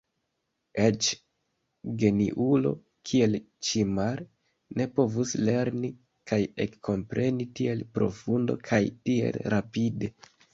Eĉ geniulo, kiel Ĉimal, ne povus lerni kaj ekkompreni tiel profunde kaj tiel rapide.